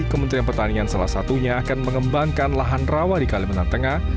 kementerian pertanian salah satunya akan mengembangkan lahan rawa di kalimantan tengah